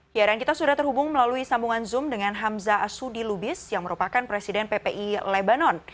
ya dan kita sudah terhubung melalui sambungan zoom dengan hamzah asudi lubis yang merupakan presiden ppi lebanon